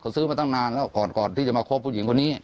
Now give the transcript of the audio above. ซื้อมาตั้งนานแล้วก่อนที่จะมาคบผู้หญิงคนนี้